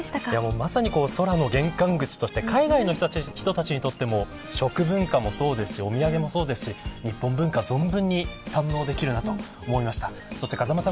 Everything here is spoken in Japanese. まさに空の玄関口として海外の人たちにとっても食文化もそうですしお土産もそうですし日本文化を存分に堪能できるなと思いました。